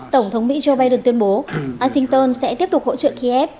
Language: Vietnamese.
tổng thống mỹ joe biden tuyên bố washington sẽ tiếp tục hỗ trợ kiev